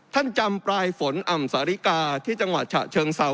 ท่านจำปลายฝนอ่ำสาริกาที่จังหวัดฉะเชิงเซา